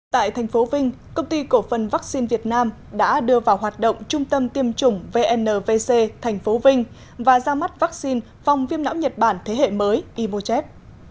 tại thành phố vinh công ty cổ phần vaccine việt nam đã đưa vào hoạt động trung tâm tiêm chủng vnvc thành phố vinh và ra mắt vaccine phòng viêm não nhật bản thế hệ mới imochev